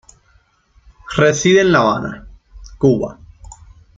Reside en La Habana, Cuba.